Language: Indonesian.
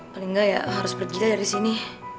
paling gak ya harus pergi lah dari sini